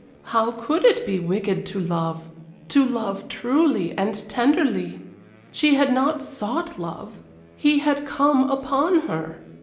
How could it be wicked to love to love truly and tenderly? She had not sought love; he had come upon her.